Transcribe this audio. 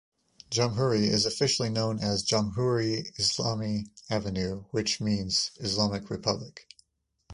Jomhuri is officially known as Jomhuri Islami Avenue which means Islamic republic.